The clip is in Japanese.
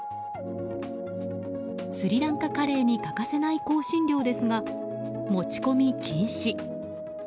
スリランカカレーに欠かせない香辛料ですが、持ち込み禁止。